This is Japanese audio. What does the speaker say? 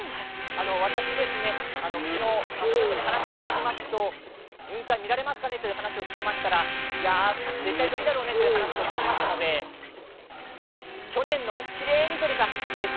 私、昨日、街の人に雲海、見られますと聞きましたら、いや、絶対無理だろうねという話を聞きましたので去年のきれいに撮れた映像